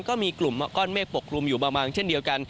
ก็มีกลุ่มก้อนเมฆปกกลุ่มอยู่บางเช่นเดียวกัน